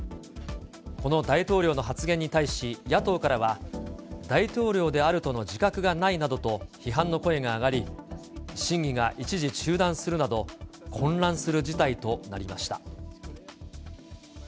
この大統領の発言に対し、野党からは、大統領であるとの自覚がないなどと批判の声が上がり、審議が一時中断するなど、混乱する事態となりました。